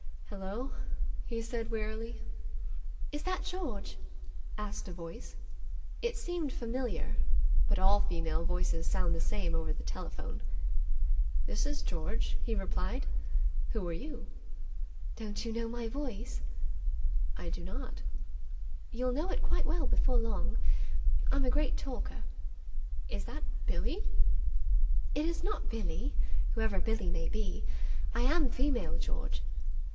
"Hello?" he said wearily. "Is that George?" asked a voice. It seemed familiar, but all female voices sound the same over the telephone. "This is George," he replied. "Who are you?" "Don't you know my voice?" "I do not." "You'll know it quite well before long. I'm a great talker." "Is that Billie?" "It is not Billie, whoever Billie may be. I am female, George."